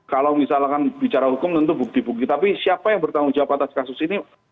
kalau misalkan bicara hukum tentu bukti bukti tapi siapa yang bertanggung jawab atas kasus ini